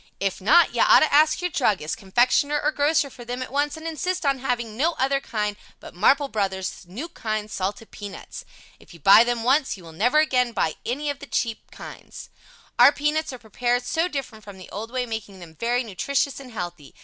If not, you ought to ask your Druggist, Confectioner or Grocer for them at once and insist on having no other kind but "Marple Bros. New Kind Salted Peanuts." If you buy them once you will never again buy any of the other cheap kinds. Our peanuts are prepared so different from the old way, making them very nutritious and healthy.